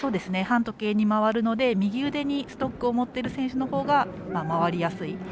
半時計に回るので右腕にストックを持っている選手のほうが回りやすい。